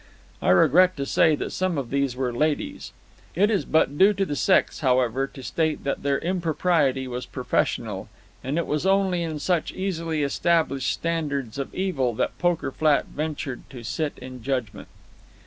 I regret to say that some of these were ladies. It is but due to the sex, however, to state that their impropriety was professional, and it was only in such easily established standards of evil that Poker Flat ventured to sit in judgment.